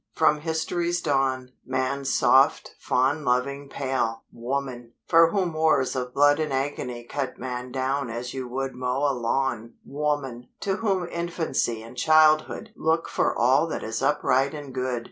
_ From History's dawn, Man's soft, fond, loving pal! Woman! For whom wars of blood and agony cut Man down as you would mow a lawn! Woman! To whom infancy and childhood look for all that is upright and good!